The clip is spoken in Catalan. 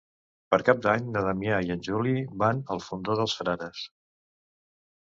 Per Cap d'Any na Damià i en Juli van al Fondó dels Frares.